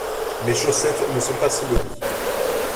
Mes chaussettes ne sont pas sous le lit.